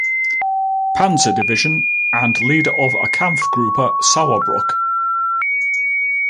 Panzer-Division and leader of a Kampfgruppe "Sauerbruch".